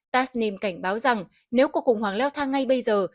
tasnim cảnh báo rằng nếu cuộc khủng hoảng leo thang ngay bây giờ